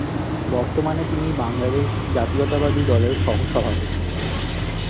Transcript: বর্তমানে তিনি বাংলাদেশ জাতীয়তাবাদী দলের সহ-সভাপতি।